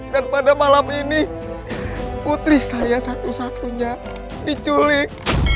dan pada malam ini putri saya satu satunya diculik